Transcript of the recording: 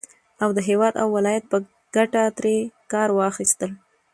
او د هېواد او ولايت په گټه ترې كار واخيستل